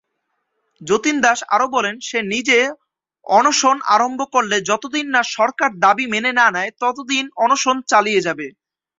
যতীন দাস আরো বলেন, সে নিজে অনশন আরম্ভ করলে যতদিন না সরকার দাবী মেনে না নেয়, ততদিন অনশন চালিয়ে যাবে।